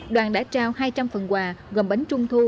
đoàn đã trao hai trăm linh phần quà gồm bánh trung thu